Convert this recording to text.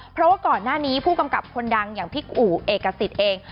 เพราะว่าก่อนหน้านี้ผู้กำกับคนดังอย่างพี่อู่เอกสิทธิ์เอง